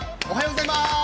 おはようございます。